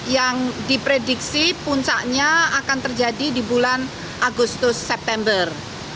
yang diprediksi puncaknya akan terjadi di bulan agustus september